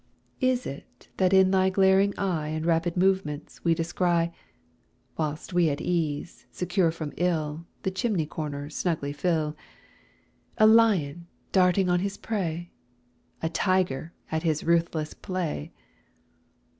Is it that in thy glaring eye And rapid movements we descry Whilst we at ease, secure from ill, The chimney corner snugly fill A lion darting on his prey, A tiger at his ruthless play?